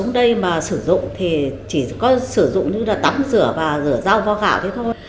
đây mà sử dụng thì chỉ có sử dụng như là tắm rửa và rửa rau vo gạo thế thôi